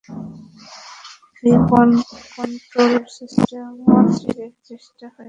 Weapon control সিস্টেমও চিড়েচেপ্টা হয়ে গেছে।